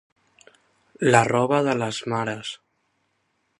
La roba de les mares.